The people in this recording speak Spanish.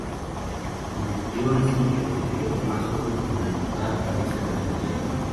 Se convirtió así en el piloto más joven en debutar en esta categoría.